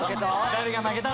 誰が負けた？